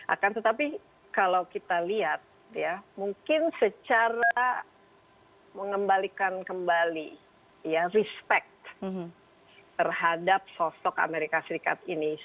akan tetapi kalau kita lihat ya mungkin secara mengembalikan kembali ya respect terhadap sosok amerika serikat ini